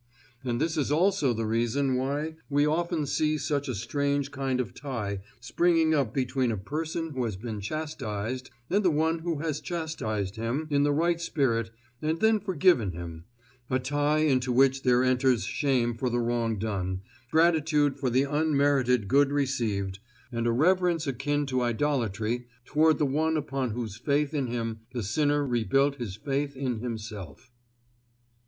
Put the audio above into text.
And this is also the reason why we often see such a strange kind of tie springing up between a person who has been chastised and the one who has chastised him in the right spirit and then forgiven him a tie into which there enters shame for the wrong done, gratitude for the unmerited good received, and a reverence akin to idolatry toward the one upon whose faith in him the sinner rebuilt his faith in himself.